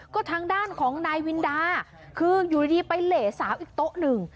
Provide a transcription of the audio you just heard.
ก็ทางด้านของนายวินดาคืออยู่ดีไปเหลสาวอีกโต๊ะหนึ่ง